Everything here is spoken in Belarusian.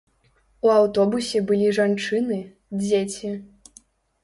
У аўтобусе былі жанчыны, дзеці.